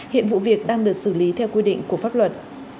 hiện vụ việc đang được xử lý theo quy định của pháp luật